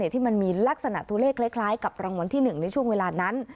ที่มันมีลักษณะตัวเลขคล้ายกับรางวัลที่๑ในช่วงเวลานั้น